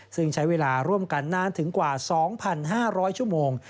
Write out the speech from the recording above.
ซึ่งใช้เวลาร่วมกันนานถึงกว่า๒๕๐๐ชั่วโมง